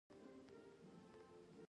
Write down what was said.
د بوتلو اوبه معیاري دي؟